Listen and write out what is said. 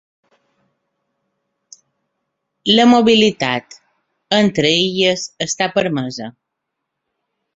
La mobilitat entre illes està permesa.